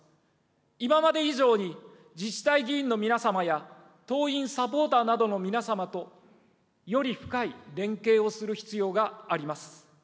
今まで以上に自治体議員の皆様や、党員・サポーターなどの皆様とより深い連携をする必要があります。